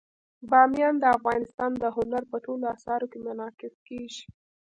بامیان د افغانستان د هنر په ټولو اثارو کې منعکس کېږي.